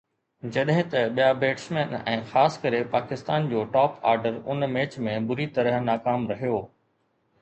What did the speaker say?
جڏهن ته ٻيا بيٽسمين ۽ خاص ڪري پاڪستان جو ٽاپ آرڊر ان ميچ ۾ بُري طرح ناڪام رهيو